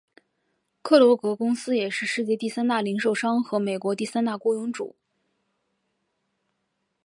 克罗格公司也是世界第三大零售商和美国第三大雇佣主。